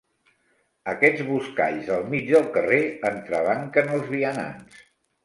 Aquests buscalls al mig del carrer entrebanquen els vianants.